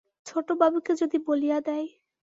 ছোট বাবুকে যদি বলিয়া দেয়!